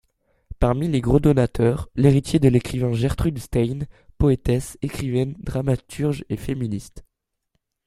Parmi les gros donateurs, l’héritier de l’écrivain Gertrude Stein, poétesse, écrivaine, dramaturge et féministe.